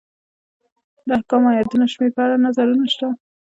د احکامو ایتونو شمېر په اړه نظرونه شته.